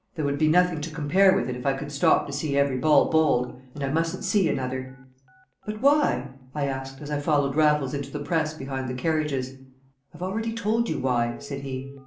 There would be nothing to compare with it if I could stop to see every ball bowled, and I mustn't see another." "But why?" I asked, as I followed Raffles into the press behind the carriages. "I've already told you why," said he.